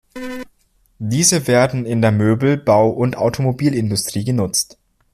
Diese werden in der Möbel-, Bau- und Automobilindustrie genutzt.